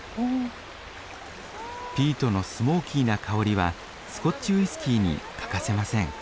ピートのスモーキーな香りはスコッチウイスキーに欠かせません。